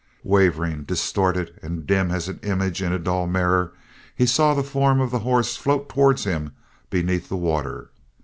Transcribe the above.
Wavering, distorted, and dim as an image in a dull mirror, he saw the form of the horse float towards him beneath the water.